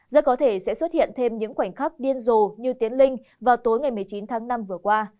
rất có thể sẽ xuất hiện thêm những khoảnh khắc điên rồ như tiến linh vào tối ngày một mươi chín tháng năm vừa qua